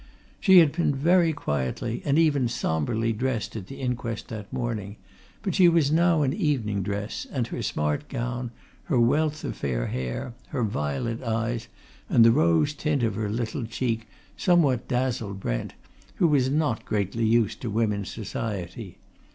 She had been very quietly and even sombrely dressed at the inquest that morning, but she was now in evening dress, and her smart gown, her wealth of fair hair, her violet eyes, and the rose tint of her delicate cheek somewhat dazzled Brent, who was not greatly used to women's society.